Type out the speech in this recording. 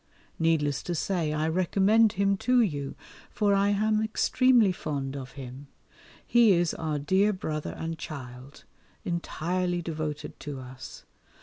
Needless to say, I recommend him to you, for I am extremely fond of him. He is our dear brother and child: entirely devoted to us.